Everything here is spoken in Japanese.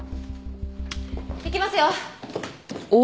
行きますよ！